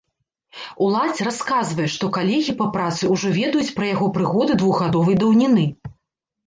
Уладзь расказвае, што калегі па працы ўжо ведаюць пра яго прыгоды двухгадовай даўніны.